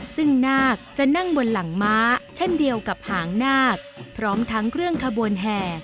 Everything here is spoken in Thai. ซึ่งนาคจะนั่งบนหลังม้าเช่นเดียวกับหางนาคพร้อมทั้งเครื่องขบวนแห่